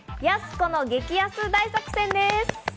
「やす子の激安大作戦！」です。